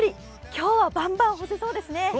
今日はバンバン干せそうですね。